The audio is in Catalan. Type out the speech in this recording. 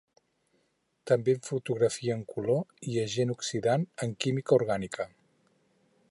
També en fotografia en color i agent oxidant en química orgànica.